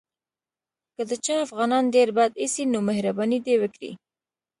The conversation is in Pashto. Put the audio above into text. که د چا افغانان ډېر بد ایسي نو مهرباني دې وکړي.